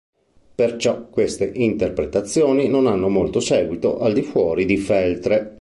Perciò queste interpretazioni non hanno molto seguito al di fuori di Feltre.